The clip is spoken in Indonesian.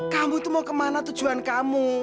kamu itu mau kemana tujuan kamu